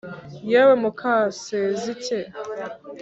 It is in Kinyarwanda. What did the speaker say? yewe mukasezike